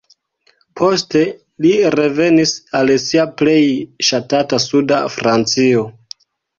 Poste li revenis al sia plej ŝatata suda Francio.